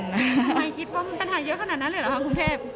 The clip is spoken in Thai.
ทำไมคิดว่ามีปัญหาเยอะขนาดนั้นเลยเหรอคะกรุงเทพ